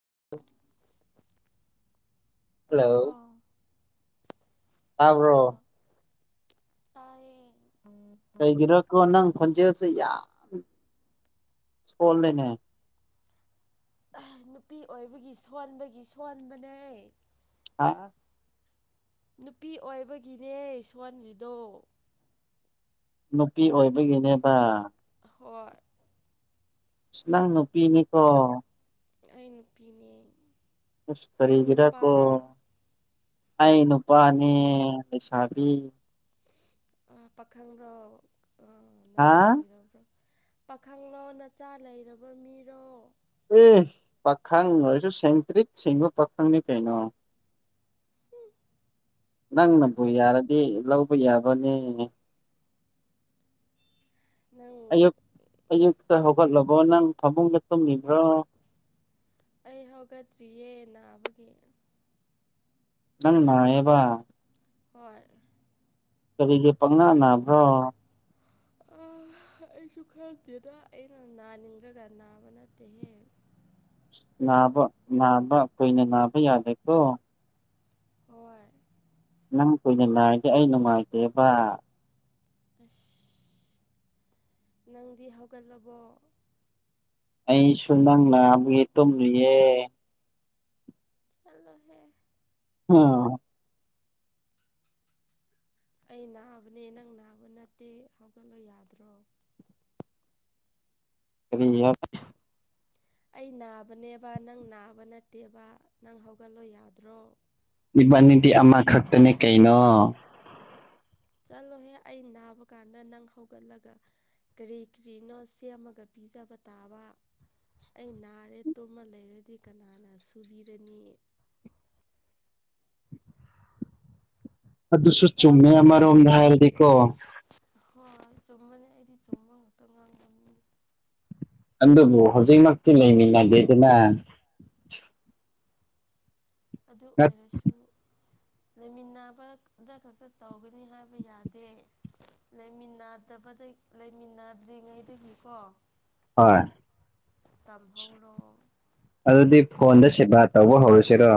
[inaudible] Hello ꯇꯥꯕ꯭ꯔꯣ ꯇꯥꯕ꯭ꯔꯣ hello ꯇꯥꯏꯌꯦ ꯎ ꯀꯩꯒꯤꯅꯣꯀꯣ ꯅꯪ ꯈꯣꯟꯖꯦꯜꯁꯦ ꯌꯥꯝ ꯒꯣꯜꯂꯦꯅꯦ ꯑꯍ ꯅꯨꯄꯤ ꯑꯣꯏꯕꯒꯤ ꯁꯣꯟꯕꯒꯤ ꯁꯣꯟꯕꯅꯦ ꯍꯥ ꯅꯨꯄꯤ ꯑꯣꯏꯕꯒꯤꯅꯦ ꯁꯣꯟꯂꯤꯗꯣ ꯅꯨꯄꯤ ꯑꯣꯏꯕꯒꯤꯅꯦꯕ ꯍꯣꯏ ꯅꯪ ꯅꯨꯄꯤꯅꯤꯀꯣ ꯑꯩ ꯅꯨꯄꯤꯅꯦ ꯑ ꯅꯪ ꯀꯔꯤꯒꯤꯔꯀꯣ ꯅꯨꯄꯥꯔꯥ ꯑꯩ ꯅꯨꯄꯥꯅꯦ ꯂꯩꯁꯥꯕꯤ ꯄꯥꯈꯪꯕ꯭ꯔꯣ ꯍꯥ ꯅꯆꯥ ꯂꯩꯔꯕ꯭ꯔꯣ ꯄꯥꯈꯪꯂꯂꯣꯟ ꯅꯆꯥ ꯂꯩꯔꯕ ꯃꯤꯔꯣ ꯑꯦ ꯄꯥꯈꯪ ꯑꯣꯏꯔꯁꯨ ꯁꯦꯡꯇ꯭ꯔꯤꯛ ꯁꯦꯡꯕ ꯄꯥꯈꯪꯅꯦ ꯀꯩꯅꯣ ꯅꯪꯅꯕꯨ ꯑꯗꯨ ꯌꯥꯔꯗꯤ ꯂꯧꯕ ꯌꯥꯕꯅꯦ ꯅꯪ ꯑꯌꯨꯛ ꯑꯌꯨꯛꯇ ꯍꯧꯒꯠꯂꯕꯣ ꯅꯪ ꯐꯃꯨꯡꯗ ꯇꯨꯝꯃꯤꯕ꯭ꯔꯣ ꯑꯩ ꯍꯧꯒꯠꯇ꯭ꯔꯤꯌꯦ ꯅꯥꯕꯒꯤ ꯅꯪ ꯅꯑ ꯍꯣꯏ ꯀꯔꯤꯒꯤꯦ ꯄꯪꯅꯥ ꯅꯅꯥꯕ꯭ꯔꯣ ꯑꯩꯁꯨ ꯈꯪꯗꯦꯗ ꯑꯩꯅ ꯅꯥꯅꯤꯡꯈ꯭ꯔꯒ ꯅꯥꯕ ꯅꯠꯇꯦꯍꯦ ꯅꯥꯕ ꯅꯥꯕ ꯀꯨꯏꯅ ꯅꯥꯕ ꯌꯥꯗꯦꯀꯣ ꯍꯣꯏ ꯅꯪ ꯀꯨꯏꯅ ꯅꯥꯔꯒꯦ ꯑꯩ ꯅꯨꯡꯉꯥꯏꯇꯦꯕ ꯑꯁ ꯅꯪꯗꯤ ꯍꯧꯒꯠꯂꯕꯣ ꯑꯩꯁꯨ ꯅꯪ ꯅꯕꯒꯤ ꯇꯨꯝꯔꯤꯌꯦ ꯆꯂꯍꯦ ꯑꯣ ꯑꯩ ꯅꯥꯕꯅꯦ ꯅꯪ ꯅꯥꯕ ꯅꯠꯇꯦ ꯍꯧꯒꯠꯂꯣ ꯌꯥꯗ꯭ꯔꯣ ꯀꯔꯤ ꯌꯥ ꯑꯩ ꯅꯥꯕꯅꯦꯕ ꯅꯪ ꯅꯥꯕ ꯅꯠꯇꯦꯕ ꯅꯪ ꯍꯧꯒꯠꯂꯣ ꯌꯥꯗ꯭ꯔꯣ ꯏꯕꯥꯅꯤꯗꯤ ꯑꯃꯈꯛꯇꯅꯦ ꯀꯩꯅꯣ ꯆꯠꯂꯣꯍꯦ ꯑꯩ ꯅꯥꯕ ꯀꯥꯟꯗ ꯅꯪ ꯍꯧꯒꯠꯂꯒ ꯀꯔꯤ ꯀꯔꯤꯅꯣ ꯁꯦꯝꯃꯒ ꯄꯤꯖꯕ ꯇꯥꯕ ꯑꯩ ꯅꯥꯔꯦꯠꯇꯣꯃ ꯂꯩꯔꯗꯤ ꯀꯅꯥꯅ ꯁꯨꯕꯤꯔꯅꯤ꯫ ꯑꯗꯨꯁꯨ ꯆꯨꯝꯃꯦ ꯇꯥꯕ ꯑꯃꯔꯣꯝꯗ ꯍꯥꯏꯔꯗꯤꯀꯣ ꯍꯣꯏ ꯆꯨꯝꯕꯅꯤ ꯑꯩꯗꯤ ꯆꯨꯝꯕ ꯉꯛꯇ ꯉꯥꯡꯕꯅꯤꯅꯦ꯫ ꯑꯗꯨꯕꯨ ꯍꯧꯖꯤꯛꯃꯛꯇꯤ ꯂꯩꯃꯤꯟꯅꯗꯦꯗꯅ ꯑꯗꯨ ꯑꯣꯏꯔꯁꯨ꯫ ꯂꯩꯃꯤꯟꯅꯕꯗ ꯈꯛꯇ ꯇꯧꯒꯅꯤ ꯍꯥꯏꯕ ꯌꯥꯗꯦ꯫ ꯂꯩꯃꯤꯟꯅꯗꯕ ꯂꯩꯃꯤꯟꯅꯗ꯭ꯔꯤꯉꯩꯗꯒꯤꯀꯣ ꯍꯣꯏ ꯇꯝꯍꯧꯔꯣ꯫ ꯑꯗꯨꯗꯤ ꯐꯣꯟꯗ ꯁꯦꯕꯥ ꯇꯧꯕ ꯍꯧꯔꯁꯤꯔꯣ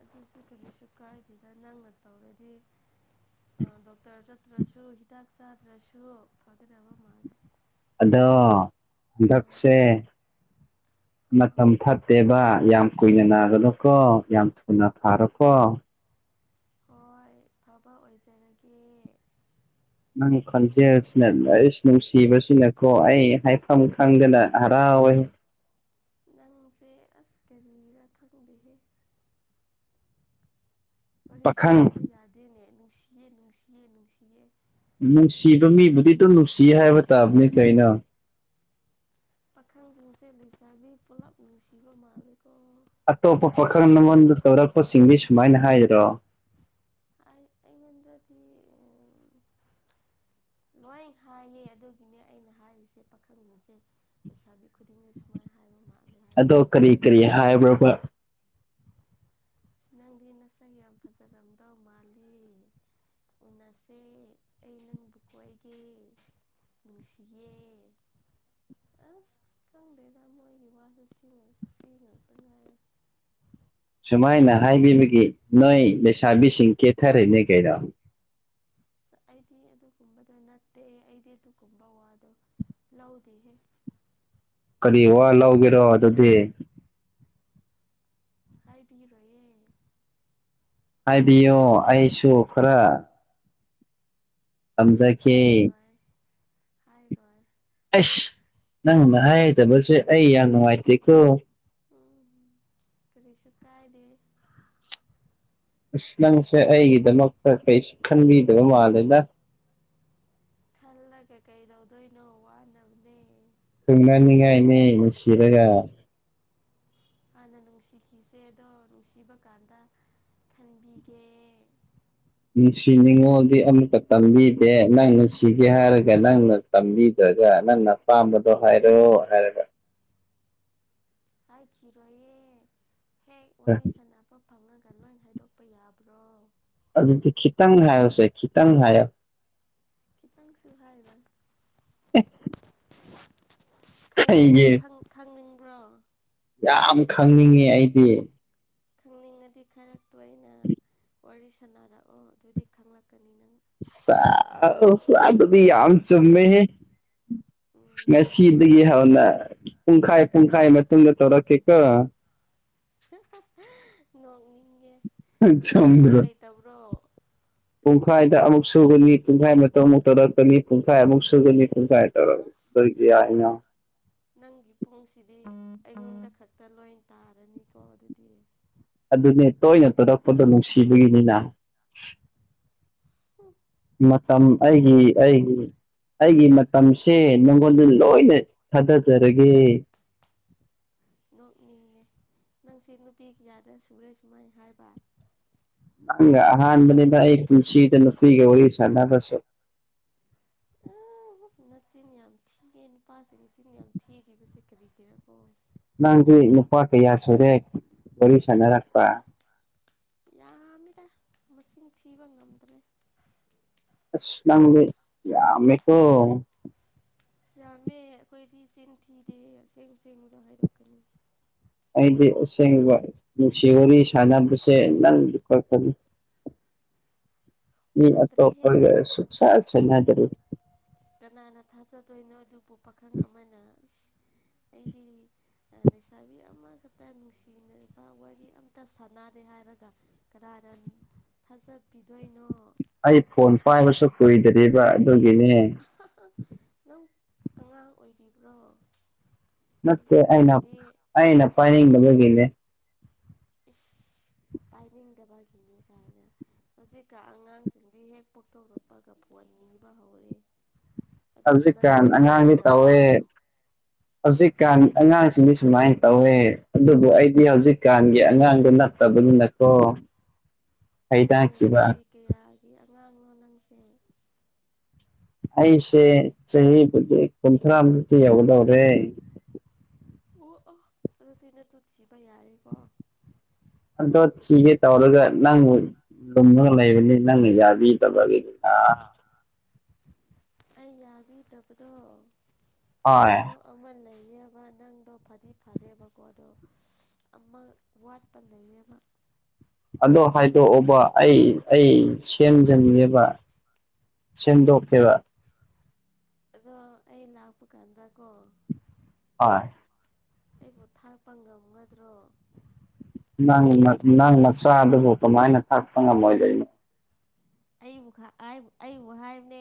ꯑꯗꯨꯁꯨ ꯀꯔꯤꯁꯨ ꯀꯥꯏꯗꯦꯗ ꯅꯪꯅ ꯇꯧꯔꯗꯤ꯫ ꯑ ꯗꯣꯛꯇꯔ ꯆꯠꯇ꯭ꯔꯁꯨ ꯍꯤꯗꯥꯛ ꯆꯥꯗ꯭ꯔꯁꯨ ꯐꯒꯗꯕ ꯃꯥꯜꯂꯦ꯫ ꯑꯗ ꯎꯝ ꯗꯁꯦ꫰꫰ ꯑꯥ ꯃꯇꯝ ꯐꯠꯇꯦꯕ ꯌꯥꯝ ꯀꯨꯏꯅ ꯅꯥꯒꯂꯣꯀꯣ ꯌꯥꯝ ꯊꯨꯅ ꯐꯥꯔꯣꯀꯣ ꯍꯣꯏ ꯐꯕꯥ ꯑꯣꯏꯖꯔꯒꯦ꯫ ꯅꯪ ꯈꯪꯖꯦ ꯁꯤꯅ ꯁꯤ ꯅꯨꯡꯁꯤꯕ ꯁꯤꯅꯦꯀꯣ ꯑꯩ ꯍꯥꯏꯐꯝꯝ ꯈꯪꯗꯅ ꯍꯔꯥꯎꯏ꯫ ꯅꯪꯁꯦ ꯑꯁ ꯀꯔꯤꯔ ꯈꯪꯗꯦꯍꯦ꯫ ꯋꯥꯔꯤ ꯄꯥꯈꯪ ꯁꯥꯟꯅꯕ ꯌꯥꯗꯦꯅꯦ ꯅꯨꯡꯁꯤꯌꯦ ꯅꯨꯡꯁꯤꯌꯦ ꯅꯨꯡꯁꯤꯌꯦ꯫ ꯅꯨꯡꯁꯤꯕ ꯑꯩꯗꯤ ꯃꯤꯕꯨꯗꯤ ꯑꯗꯨꯝ ꯅꯨꯡꯁꯤꯌꯦ ꯍꯥꯏꯕ ꯇꯥꯕꯅꯦ ꯀꯩꯅꯣ ꯫ ꯄꯥꯈꯪꯁꯤꯡꯁꯦꯠ ꯂꯩꯁꯥꯕꯤ ꯄꯨꯜꯂꯞ ꯅꯨꯡꯁꯤꯕ ꯃꯥꯂꯀꯣ ꯑꯇꯣꯞꯄ ꯄꯥꯈꯪ ꯑꯃꯣꯟꯗ ꯇꯧꯔꯛꯄꯁꯤꯡꯗꯤ ꯁꯨꯃꯥꯏꯅ ꯍꯥꯏꯔꯣ ꯑꯩꯉꯣꯟꯗꯗꯤ ꯂꯣꯏ ꯍꯥꯏꯌꯦ ꯑꯗꯨꯒꯤꯅꯦ ꯑꯩꯅ ꯍꯥꯏꯔꯤꯁꯦ ꯄꯥꯈꯪꯅꯤꯁꯦ꯫ ꯂꯩꯁꯥꯕꯤ ꯈꯨꯗꯤꯡꯒꯤ ꯁꯨꯃꯥꯏꯅ ꯍꯥꯏꯕ ꯃꯥꯂꯦ꯫ ꯑꯗꯣ ꯀꯔꯤ ꯀꯔꯤ ꯍꯥꯏꯕ꯭ꯔꯣꯕ, ꯑꯁ ꯅꯪꯗꯤ ꯅꯁꯪ ꯌꯥꯝ ꯐꯖꯔꯝꯗꯧ ꯃꯥꯜꯂꯤ꯫ ꯎꯟꯅꯁꯦ ꯑꯩ ꯅꯪꯕꯨ ꯀꯣꯏꯒꯦ꯫ ꯅꯨꯡꯁꯤꯌꯦ꯫ ꯑꯁ ꯈꯪꯗꯦꯗ ꯃꯣꯏꯒꯤ ꯋꯥꯁꯨ ꯁꯤ ꯁꯤ ꯉꯛꯇ ꯉꯥꯏꯔꯦ꯫ ꯁꯨꯃꯥꯏꯅ ꯍꯥꯏꯕꯤꯕꯒꯤ ꯅꯣꯏ ꯂꯩꯁꯥꯕꯤꯁꯤꯡ ꯀꯦꯊꯔꯅꯦ ꯀꯩꯅꯣ꯫ ꯑꯩꯗꯤ ꯑꯗꯨꯒꯨꯝꯕꯗꯣ ꯅꯠꯇꯦ ꯑꯩꯗꯤ ꯑꯗꯨꯒꯨꯝꯕ ꯋꯥꯗꯣ ꯂꯧꯗꯦꯍꯦ꯫ ꯀꯔꯤ ꯋꯥꯂꯑꯣꯒꯦꯔꯣ ꯑꯗꯨꯗꯤ ꯍꯥꯏꯕꯤꯔꯣꯏꯌꯦ꯫ ꯑꯥꯏꯕꯤꯌꯣ ꯑꯥꯏꯁꯨ ꯑꯣ ꯈꯔ ꯇꯝꯖꯒꯦ ꯍꯥꯏꯔꯣꯏ ꯍꯥꯏꯔꯣꯏ꯫ ꯑꯁ ꯅꯪꯅ ꯍꯥꯏꯗꯕꯁꯦ ꯑꯩ ꯌꯥꯝ ꯅꯨꯡꯉꯥꯏꯇꯦꯀꯣ ꯎꯝ ꯀꯔꯤꯁꯨ ꯀꯥꯏꯗꯦ꯫ ꯑꯁ ꯅꯪꯁꯦ ꯑꯩꯒꯤꯗꯃꯛꯇ ꯀꯩꯁꯨ ꯈꯟꯕꯤꯗꯕ ꯃꯥꯜꯂꯦꯗ꯫ ꯈꯜꯂꯒ ꯀꯩ ꯇꯧꯗꯣꯏꯅꯣ ꯋꯥꯅꯕꯅꯦ꯫ ꯊꯨꯡꯅꯅꯤꯡꯉꯥꯏꯅꯦ ꯅꯨꯡꯁꯤꯔꯒ꯫ ꯍꯥꯟꯅ ꯅꯨꯡꯁꯤꯈꯤꯁꯦꯗꯣ ꯅꯨꯡꯁꯤꯕ ꯀꯥꯟꯗ ꯈꯟꯕꯤꯒꯦ꯫ ꯅꯨꯡꯁꯤꯅꯤꯡꯉꯣꯗꯤ ꯑꯃꯨꯀ ꯇꯝꯕꯤꯗꯦ ꯅꯪ ꯅꯨꯡꯁꯤꯒꯦ ꯍꯥꯏꯔꯒ ꯅꯪꯅ ꯇꯝꯕꯤꯗ꯭ꯔꯒ ꯅꯪꯅ ꯑꯄꯥꯝꯕꯗꯣ ꯍꯥꯏꯔꯣ ꯍꯥꯏꯔꯒ ꯍꯥꯏꯈꯤꯔꯣꯏꯌꯦ ꯍꯦꯛ ꯋꯥꯔꯤ ꯁꯅ ꯄ ꯄꯣꯠ ꯐꯪꯉꯒ ꯅꯣꯏ ꯍꯥꯏꯗꯣꯛꯄ ꯌꯥꯕ꯭ꯔꯣ꯫ ꯑꯗꯨꯗꯤ ꯈꯤꯇꯪ ꯍꯥꯏꯣꯁꯦ ꯈꯤꯇꯪ ꯍꯥꯏꯣ꯫ ꯈꯤꯇꯪꯁꯨ ꯍꯥꯏꯔꯣꯏ ꯫ ꯑꯦ ꯕ ꯈꯪ ꯈꯪꯅꯤꯡꯕ꯭ꯔꯣ ꯌꯥꯝ ꯈꯪꯅꯤꯡꯉ ꯑꯩꯗꯤ ꯈꯪꯅꯤꯡꯉꯗꯤ ꯈꯔ ꯇꯣꯏꯅ ꯋꯥꯔꯤ ꯁꯥꯟꯅꯔꯛꯑꯣ ꯑꯗꯨꯗꯤ ꯈꯪꯂꯛꯀꯅꯤ ꯅꯪ ꯁꯥ ꯁꯥ ꯑꯗꯨꯗꯤ ꯌꯥꯝ ꯆꯨꯝꯃꯦꯍꯦ ꯎꯝ ꯉꯁꯤꯗꯒꯤ ꯍꯧꯅ ꯄꯨꯡꯈꯥꯏ ꯄꯨꯡꯈꯥꯏ ꯃꯇꯨꯡꯗ ꯇꯧꯔꯛꯀꯦꯀꯣ ꯅꯣꯛꯅꯤꯡꯒꯦ ꯅꯪ ꯊꯕꯛ ꯆꯨꯝꯗ꯭ꯔꯣ ꯂꯩꯇꯕ꯭ꯔꯣ ꯄꯨꯡꯈꯥꯏꯗ ꯑꯃꯨꯛ ꯁꯨꯒꯅꯤ ꯄꯨꯡꯈꯥꯏ ꯃꯇꯨꯡ ꯑꯃꯨꯛ ꯇꯧꯔꯛꯀꯅꯤ ꯄꯨꯡꯈꯥꯏꯃꯨꯛ ꯁꯨꯒꯅꯤ ꯄꯨꯡꯈꯥꯏ ꯇꯧꯔꯛ ꯑꯁ ꯇꯧꯔꯤꯁꯦ ꯌꯥꯏꯅ ꯅꯪꯒꯤ ꯄꯨꯡꯁꯤꯗꯤ ꯑꯩꯉꯣꯟꯗ ꯈꯛꯇ ꯂꯣꯏ ꯇꯥꯔꯅꯤꯀꯣ ꯑꯗꯨꯗꯤ ꯑꯗꯨꯅꯦ ꯇꯣꯏꯅ ꯇꯨꯔꯛꯄꯗꯣ ꯅꯨꯡꯁꯤꯕꯒꯤꯅꯤꯅ ꯍꯨꯝ ꯃꯇꯝ ꯑꯩꯒꯤ ꯑꯩꯒꯤ ꯑꯩꯒꯤ ꯃꯇꯝꯁꯦ ꯅꯪꯉꯣꯟꯜꯗ ꯂꯣꯏꯅ ꯊꯥꯗꯖꯔꯒꯦ ꯅꯣꯛꯅꯤꯡꯉꯦ ꯅꯪꯁꯦ ꯅꯨꯄꯤ ꯀꯌꯥꯗ ꯁꯨꯔꯦ ꯁꯨꯃꯥꯏ ꯍꯥꯏꯕ ꯅꯪꯒ ꯑꯍꯥꯟꯕꯅꯤꯗ ꯑꯩ ꯄꯨꯟꯁꯤꯗ ꯅꯨꯄꯤꯒ ꯋꯥꯔꯤ ꯁꯥꯟꯅꯕꯁꯨ [inaudible] ꯅꯆꯤꯟ ꯌꯥꯝ ꯊꯤꯒꯦ ꯅꯨꯄꯥꯁꯤꯡ ꯆꯤꯟ ꯌꯥꯝ ꯊꯤꯔꯤꯕꯁꯦ ꯀꯔꯤꯒꯤꯔꯀꯣ ꯅꯪꯗꯤ ꯅꯨꯄꯥ ꯀꯌꯥ ꯁꯨꯔꯦ ꯋꯥꯔꯤ ꯁꯥꯟꯅꯔꯛꯄ ꯌꯥꯝꯃꯤꯗ ꯃꯁꯤꯡ ꯊꯤꯕ ꯉꯝꯗ꯭ꯔꯦ ꯑꯁ ꯅꯪꯗꯤ ꯌꯥꯝꯃꯦꯀꯣ ꯌꯥꯝꯃꯦ ꯑꯩꯈꯣꯏꯗꯤ ꯆꯤꯟ ꯊꯤꯗꯦ ꯑꯁꯦꯡ ꯑꯁꯦꯡꯕꯗꯣ ꯍꯥꯏꯗꯣꯛꯀꯅꯤ ꯑꯩꯗꯤ ꯑꯁꯦꯡꯕ ꯅꯨꯡꯁꯤ ꯋꯥꯔꯤ ꯁꯥꯟꯅꯕꯁꯦ ꯅꯪ ꯈꯛꯇꯅꯤ ꯃꯤ ꯃꯥꯟꯗ꯭ꯔꯦꯍꯦ ꯑꯇꯣꯞꯄꯒ ꯁꯨꯛ ꯁꯥꯟ ꯁꯥꯟꯗꯦ ꯑꯩ ꯀꯅꯥꯅ ꯊꯥꯖꯗꯣꯏꯅꯣ ꯑꯗꯨꯕꯨ ꯄꯥꯈꯪ ꯑꯃꯅ ꯑꯩꯗꯤ ꯂꯩꯁꯥꯕꯤ ꯑꯃꯈꯛꯇ ꯅꯨꯡꯁꯤꯅꯕ ꯋꯥꯔꯤ ꯑꯝꯇ ꯁꯥꯟꯅꯗꯦ ꯍꯥꯏꯔꯒ ꯀꯅꯥꯅ ꯊꯥꯖ ꯄꯤꯗꯣꯏꯅꯣ ꯑꯩ ꯐꯣꯟ ꯄꯥꯏꯕꯁꯨ ꯀꯨꯏꯗꯔꯤꯕ ꯑꯗꯨꯒꯤꯅꯦ ꯅꯪ ꯑꯉꯥꯡ ꯑꯣꯏꯔꯤꯕ꯭ꯔꯣ ꯅꯠꯇꯦ ꯑꯩꯅ ꯍꯧꯖꯤꯛꯀꯥꯟꯗꯤ ꯑꯩꯅ ꯄꯥꯏꯅꯤꯡꯗꯕꯒꯤꯅꯦ ꯏꯁ ꯄꯥꯏꯅꯤꯡꯗꯕꯒꯤꯅꯤ ꯀꯥꯏꯅ ꯍꯧꯖꯤꯛꯀꯥꯟ ꯑꯉꯥꯡꯁꯤꯡꯗꯤ ꯍꯦꯛ ꯄꯣꯛꯊꯣꯔꯛꯄꯒ ꯐꯣꯟ ꯅꯤꯕ ꯍꯧꯔꯦ ꯑꯗꯨꯒ ꯍꯧꯖꯤꯛ ꯅꯪꯅ ꯀꯥꯟ ꯑꯉꯥꯡꯗꯤ ꯄꯥꯏꯅꯤꯡꯗꯕ ꯇꯧꯋꯦ ꯍꯧꯖꯤꯛꯀꯥꯟ ꯑꯉꯥꯡꯁꯤꯡꯗꯤ ꯁꯨꯃꯥꯏ ꯇꯧꯋꯦ ꯑꯗꯨꯕꯨ ꯑꯩꯗꯤ ꯍꯧꯖꯤꯛꯀꯥꯟꯒꯤ ꯑꯉꯥꯡꯗꯨ ꯅꯠꯇꯕꯅꯤꯅ ꯀꫭ ꯁꯦꯟꯆꯨꯔꯤ ꯀꯌꯥꯒꯤ ꯑꯉꯥꯡꯅꯣ ꯅꯪꯁꯦ ꯑꯩꯁꯦ ꯆꯍꯤꯕꯨꯗꯤ ꯀꯨꯟꯊ꯭ꯔꯥ ꯃꯨꯛꯇꯤ ꯌꯧꯒꯗꯧꯔꯦ ꯑꯣ ꯑꯣ ꯑꯗꯨꯗꯤ ꯅꯇꯨ ꯊꯤꯕ ꯌꯥꯔꯦꯀꯣ ꯑꯗꯣ ꯊꯤꯒꯦ ꯇꯧꯔꯒ ꯅꯪ ꯂꯨꯝꯃꯒ ꯂꯩꯕꯅꯤ ꯅꯪꯅ ꯌꯥꯕꯤꯗꯕꯒꯤ ꯇ ꯑꯩ ꯌꯥꯕꯤꯗꯕꯗꯣ ꯍꯣꯏ ꯃꯔꯨ ꯑꯃ ꯂꯩꯌꯦꯕ ꯅꯪꯗꯣ ꯐꯗꯤ ꯐꯔꯦꯕꯀꯣ ꯑꯗꯣ ꯑꯃ ꯋꯥꯠꯄ ꯂꯩꯔꯦꯕ ꯑꯗꯣ ꯍꯥꯏꯗꯣꯛꯑꯣꯕ ꯑꯩ ꯑꯩ ꯁꯦꯝꯖꯟꯒꯦꯕ ꯁꯦꯝꯗꯣꯛꯀꯦꯕ ꯑꯗꯣ ꯑꯩ ꯂꯥꯛꯄ ꯀꯥꯟꯗ ꯀꯣ ꯍꫭꯏ ꯑꯩꯕꯨ ꯊꯥꯛꯄ ꯉꯝꯒꯗ꯭ꯔꯣ ꯅꯪ ꯅꯪ ꯃꯆꯥꯗꯨꯕꯨ ꯀꯃꯥꯏꯅ ꯊꯥꯛꯄ ꯉꯝꯃꯣꯏꯗꯣꯏꯅꯣ ꯑꯩꯕꯨ ꯑꯩꯕꯨ ꯍꯥꯏꯕꯅꯦ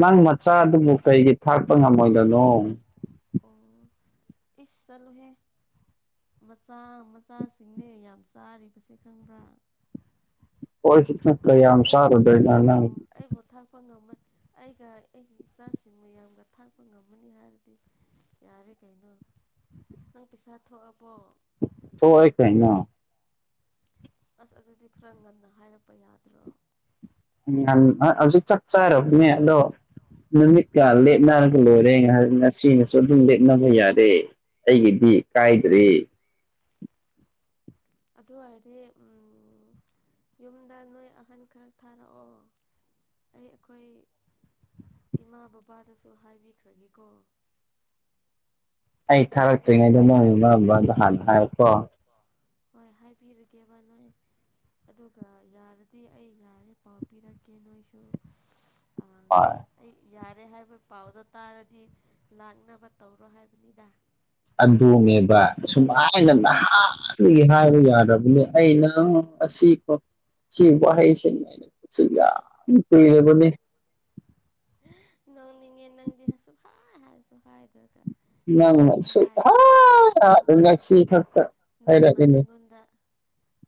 ꯅꯪ ꯃꯆꯥꯗꯨꯕꯨ ꯀꯩꯒꯤ ꯊꯥꯛꯄ ꯉꯝꯃꯣꯏꯗꯣꯏꯅꯣ ꯑꯣ ꯏꯁ ꯆꯠꯂꯨꯍꯦ ꯃꯆꯥ ꯃꯆꯥꯁꯤꯡꯅꯦ ꯌꯥꯝ ꯆꯥꯔꯤꯕꯁꯦ ꯈꯪꯕ꯭ꯔꯥ ꯑꯣꯣꯏ ꯆ ꯅ ꯀ ꯁꯔ ꯗ ꯑꯩ ꯣꯊꯥ ꯐꯣꯟ ꯅꯃꯥꯏ ꯑꯩꯒ ꯑꯩꯒꯤ ꯏꯆꯥꯁꯤꯡ ꯃꯌꯥꯝꯒ ꯊꯥꯛꯄ ꯉꯝꯃꯅꯤ ꯍꯥꯏꯔꯗꯤ ꯌꯥꯔꯦ ꯀꯩꯅꯣ ꯅꯪ ꯄꯩꯁꯥ ꯊꯣꯛꯑꯕꯣ ꯊꯏ ꯀꯥꯏꯅ ꯑꯁ ꯑꯗꯨꯗꯤ ꯈꯔ ꯉꯟꯅ ꯍꯥꯏꯔꯛꯄ ꯌꯥꯗ꯭ꯔꯣ ꯌꯥꯝ ꯍꯧꯖꯤꯛ ꯆꯞ ꯆꯥꯔꯕꯅꯦ ꯑꯗꯣ ꯅꯗꯤ ꯀꯜꯅ ꯂꯣꯏꯔꯦ ꯁꯤꯅꯁꯨ ꯑꯗꯨꯝ ꯂꯦꯞꯅꯕ ꯌꯥꯔꯦ ꯑꯩꯒꯤꯗꯤ ꯀꯥꯏꯗ꯭ꯔꯦ ꯑꯗꯨ ꯑꯣꯏꯔꯗꯤ ꯌꯨꯝꯗ ꯅꯣꯏ ꯑꯍꯟ ꯈꯔ ꯊꯥꯔꯛꯑꯣ ꯑꯩ ꯑꯩꯈꯣꯏ ꯏꯃꯥ ꯕꯕꯥꯗꯁꯨ ꯍꯥꯏꯕꯤꯈ꯭ꯔꯒꯦꯀꯣ ꯑꯩ ꯊꯥꯔꯛꯇ꯭ꯔꯤꯉꯩꯗ ꯅꯪ ꯏꯃꯥ ꯕꯕꯥꯗꯣ ꯍꯥꯟꯅ ꯍꯥꯏꯔꯛꯀꯣ ꯍꯣꯏ ꯍꯥꯏꯕꯤꯔꯒꯦꯕꯕꯥ ꯅꯣꯏ ꯑꯗꯨꯒ ꯌꯥꯔꯗꯤ ꯑꯩ ꯌꯥꯔꯦ ꯄꯥꯎ ꯄꯤꯔꯛꯀꯦ ꯅꯣꯏꯁꯨ ꯍꯣꯏ ꯑꯩ ꯌꯥꯔꯦ ꯍꯥꯏꯕ ꯄꯥꯎꯗꯣ ꯇꯥꯔꯗꯤ ꯂꯥꯛꯅꯕ ꯇꯧꯔꯣ ꯍꯥꯏꯕꯅꯤꯅ ꯑꯗꯨꯗꯣꯡꯉꯦꯕ ꯁꯨꯃꯥꯏꯅ ꯅꯍꯥꯟꯗꯒꯤ ꯍꯥꯏꯕ ꯌꯥꯔꯕꯅꯤ ꯑꯩꯅ ꯑ ꯑꯁꯤꯀꯣ ꯁꯤ ꯋꯥꯍꯩꯁꯤ ꯍꯥꯏꯩꯅꯣ ꯁꯤ ꯌꯥꯝ ꯀꯨꯏꯔꯕꯅꯦ ꯅꯪ ꯅꯤꯡꯉꯦ ꯅꯪꯗꯤ ꯍꯁꯨ ꯐꯥꯏ ꯍꯁꯨ ꯍꯥꯏ ꯗꯔꯀ ꯉꯁꯤ ꯅꯪꯅ ꯈꯛꯇ ꯁꯨꯛꯍꯥꯏ ꯍꯥꯏꯔꯒ ꯅꯪ ꯍꯥꯏꯗꯦ ꯉꯁꯤ ꯈꯛꯇ ꯅꯪꯅ ꯍꯥꯏꯔꯛꯏꯅꯦ ꯑꯩꯉꯣꯟꯗ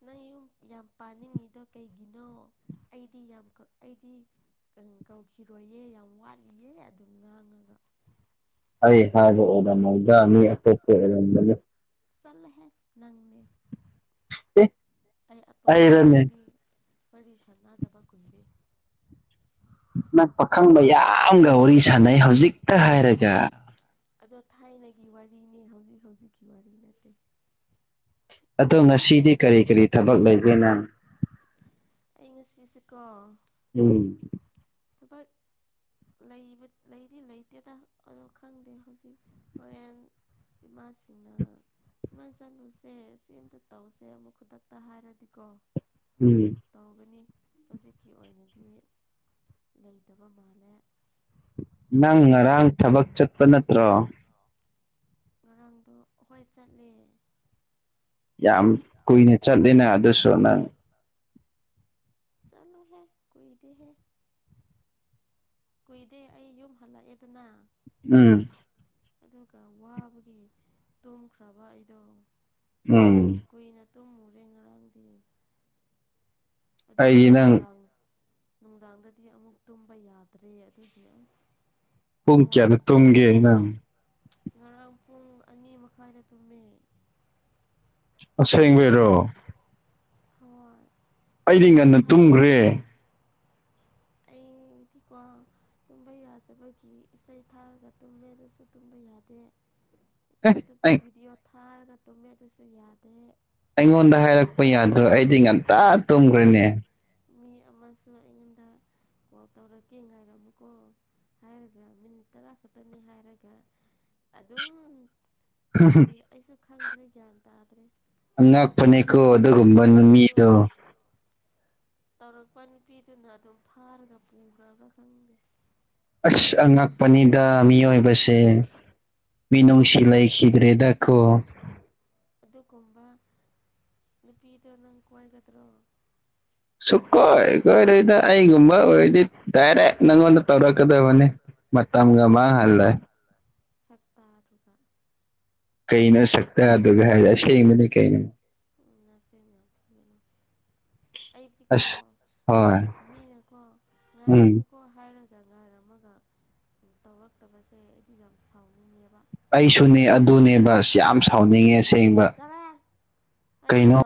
ꯅꯪ ꯌꯨꯝ ꯌꯥꯝ ꯄꯥꯅꯤꯡꯉꯤꯗ ꯀꯩꯒꯤꯅꯣ ꯑꯩꯗꯤ ꯌꯥꯝ ꯑꯩꯗꯤ ꯀꯧꯈꯤꯔꯣꯏꯌꯦ ꯌꯥꯝ ꯋꯥꯠꯂꯤꯌꯦ ꯑꯗꯨꯝ ꯉꯥꯡꯉꯒ ꯑꯩ ꯍꯥꯏꯕ ꯑꯣꯗꯔ ꯃꯧꯗ꯭ꯔ ꯃꯤ ꯑꯇꯣꯞꯄ ꯑꯣꯏꯔꯝꯝꯕꯅꯤ ꯆꯂꯍꯦ ꯅꯪꯅꯦ ꯑꯦ ꯑꯩ ꯑꯇꯣꯞꯄꯒ ꯑꯩꯔꯅꯦ ꯋꯥꯔꯤꯅꯤ ꯋꯥꯔꯤ ꯁꯥꯟꯅꯗꯕ ꯀꯨꯟꯕꯤ ꯅꯛꯄ ꯈꯪꯕ ꯌꯥꯝꯒ ꯋꯥꯔꯤ ꯁꯥꯟꯅꯩ ꯍꯧꯖꯤꯛꯇ ꯍꯥꯏꯔꯒ ꯑꯗꯣ ꯊꯥꯏꯅꯒꯤ ꯋꯥꯔꯤꯅꯦ ꯍꯧꯖꯤꯛ ꯍꯧꯖꯤꯛꯀꯤ ꯋꯥꯔꯤ ꯅꯠꯇꯦ ꯑꯗꯣ ꯉꯁꯤꯗꯤ ꯀꯔꯤ ꯀꯔꯤ ꯊꯕꯛ ꯂꯩꯒꯦ ꯅꯪ ꯑꯩ ꯉꯁꯤꯁꯦꯀꯣ ꯎꯝ ꯊꯄ ꯂꯩꯗꯤ ꯂꯩꯇꯦꯗ ꯑꯗꯣ ꯈꯪꯗꯦ ꯍꯧꯖꯤꯛ ꯐꯣꯔꯦꯟ ꯏꯃꯥꯁꯤꯡꯅ ꯁꯨꯃꯥꯏꯅ ꯆꯠꯂꯨꯁꯦ ꯁꯤ ꯑꯃꯇ ꯇꯧꯁꯦ ꯑꯃꯨꯛ ꯈꯨꯗꯛꯇ ꯍꯥꯏꯔꯗꯤꯀꯣ ꯎꯝ ꯇꯧꯒꯅꯤ ꯍꯧꯖꯤꯛꯀꯤ ꯑꯣꯏꯅꯗꯤ ꯂꯩꯇꯕ ꯃꯥꯜꯂꯦ ꯅꯪ ꯅꯪꯗꯤ ꯉꯔꯥꯡ ꯊꯕꯛ ꯆꯠꯄ ꯅꯠꯇ꯭ꯔꯣ ꯉꯔꯥꯡꯗꯣ ꯍꯣꯏ ꯆꯠꯂꯦ ꯌꯥꯝ ꯀꯨꯏꯅ ꯆꯠꯂꯤꯦꯅ ꯑꯗꯨꯁꯨ ꯅꯪ ꯆꯜꯨꯍꯦ ꯀꯗꯍꯦ ꯀꯨꯏꯗꯦ ꯑꯩ ꯌꯨꯝ ꯍꯜꯂꯛꯑꯦꯗꯅ ꯎꯝ ꯑꯗꯨꯒ ꯋꯥꯕꯒꯤ ꯇꯣꯝꯈ꯭ꯔꯕ ꯑꯩꯗꯣ ꯎꯝ ꯌꯥꯝ ꯀꯨꯏꯅ ꯇꯨꯝꯃꯨꯔꯦ ꯉꯔꯥꯡꯗꯤ ꯑꯗꯨꯒ ꯑꯩꯗꯤ ꯅꯪ ꯅꯨꯡꯗꯥꯡ ꯅꯨꯡꯗꯥꯡꯗꯗꯤ ꯑꯃꯨꯛ ꯇꯨꯝꯕ ꯌꯥꯗ꯭ꯔꯦ ꯑꯗꯨꯗꯤ ꯑꯁ ꯍꯨꯡ ꯐꯣꯟ ꯀꯌꯥꯅ ꯇꯨꯡꯒꯦꯅ ꯉꯔꯥꯡ ꯄꯨꯡ ꯑꯅꯤ ꯃꯈꯥꯏꯗ ꯇꯨꯝꯃꯦ ꯑꯩꯗꯣ ꯑꯁꯦꯡꯕꯩꯔꯣ ꯍ ꯑꯩꯗꯤ ꯉꯟꯅ ꯇꯨꯝꯈ꯭ꯔꯦ ꯑꯩꯗꯤꯀꯣ ꯇꯨꯝꯕ ꯌꯥꯗꯕꯒꯤ ꯏꯁꯩ ꯊꯥꯔꯒ ꯇꯨꯝꯃꯦ ꯑꯗꯨꯁꯨ ꯇꯨꯝꯕ ꯌꯥꯗꯦ ꯑꯦ ꯌꯨꯇꯨꯞꯇ ꯑꯩ ꯚꯤꯗꯤꯑꯣ ꯊꯥꯔꯒ ꯇꯨꯝꯃꯦ ꯑꯗꯨꯁꯨ ꯌꯥꯗꯦ ꯑꯩꯉꯣꯟꯗ ꯍꯥꯏꯔꯛꯄ ꯌꯥꯗ꯭ꯔꯣ ꯑꯩꯗꯤ ꯉꯟꯇꯥ ꯑꯗꯨꯒ ꯇꯨꯝꯈ꯭ꯔꯦꯅꯦ ꯃꯤ ꯑꯃꯁ ꯑꯩꯉꯣꯟꯗ ꯀꯣꯜ ꯇꯧꯔꯛꯀꯦ ꯉꯥꯏꯔꯝꯃꯨꯀꯣ ꯍꯥꯏꯔꯒ ꯃꯤꯅꯤꯠ ꯇꯔꯥ ꯈꯛꯇꯅꯤ ꯍꯥꯏꯔꯒ ꯑꯗꯨꯝ ꯀꯔꯤ ꯑꯩꯁꯨ ꯈꯪꯗ꯭ꯔꯦ ꯒ꯭ꯌꯥꯟ ꯇꯥꯗ꯭ꯔꯦ ꯑꯉꯛ ꯐꯅꯦꯦꯛꯀꯣ ꯑꯗꯨꯒꯨꯝꯕ ꯑꯗꯨ ꯅꯨꯃꯤꯗꯣ ꯇꯧꯔꯛꯄ ꯅꯨꯄꯤꯗꯨꯅ ꯑꯗꯨꯝ ꯐꯥꯔꯒ ꯄꯨꯈ꯭ꯔꯕꯥ ꯈꯪꯗꯦ ꯑꯁ ꯑꯉꯛꯄꯅꯤꯗ ꯃꯤꯑꯣꯏꯕꯁꯦ ꯃꯤꯅꯨꯡ ꯁꯤꯂꯥꯏ ꯈꯤꯗ꯭ꯔꯦ ꯗꯣ ꯑꯗꯨꯒꯨꯝꯕ ꯅꯨꯄꯤꯗꯣ ꯅꯪ ꯀꯏꯒꯗ꯭ꯔꯣ ꯁꯨꯛ ꯀꯣꯏ ꯀꯣꯏꯔꯣꯏꯗ ꯑꯩꯒꯨꯝꯕ ꯑꯣꯏꯔꯗꯤ ꯗꯥꯏꯔꯦꯛ ꯅꯪꯉꯣꯟꯗ ꯇꯧꯔꯛꯀꯗꯕꯅꯤ ꯇꯒ ꯃꯥ ꯍꯜꯂꯦ ꯆꯥꯛꯇꯥꯗꯨꯀ ꯀꯩꯅꯣ ꯁꯛꯇ ꯑꯗꯨꯒ ꯍꯥꯏꯗꯤ ꯑꯁꯦꯡꯕꯗꯤ ꯀꯩꯅꯣ ꯅꯔꯁ ꯉꯅꯁ [inaudible] ꯑꯩꯗꯤꯀꯣ ꯑꯁ ꯍꯣꯏ ꯃꯤꯅꯀꯣ ꯎꯝ ꯉꯥꯏꯔꯝꯃꯨꯛ ꯍꯣ ꯍꯥꯏꯔꯒ ꯥꯏꯔ ꯑꯃꯒ ꯇꯧꯔꯛꯇꯕꯁꯦ ꯑꯩꯗꯤ ꯌꯥꯝ ꯁꯥꯎꯅꯤꯡꯉꯦꯕ ꯑꯩꯁꯨꯅꯦ ꯑꯗꯨꯅꯦ ꯕꯁ ꯌꯥꯝ ꯁꯥꯎꯅꯤꯡꯉꯦ ꯁꯁꯦꯡꯕ ꯑꯩꯗꯤ ꯀꯩꯅꯣ ꯇꯧ